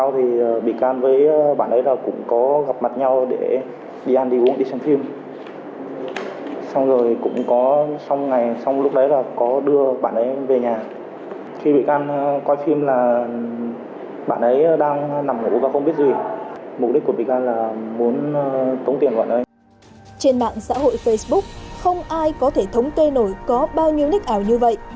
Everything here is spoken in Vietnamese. trên mạng xã hội facebook không ai có thể thống tê nổi có bao nhiêu nick ảo như vậy